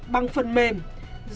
bằng phần mạng